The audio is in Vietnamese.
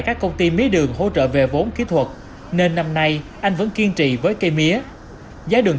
các công ty mía đường hỗ trợ về vốn kỹ thuật nên năm nay anh vẫn kiên trì với cây mía giá đường